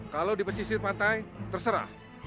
kalau di pesisir pantai terserah